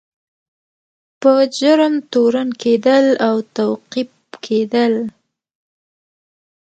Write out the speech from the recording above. په جرم تورن کیدل او توقیف کیدل.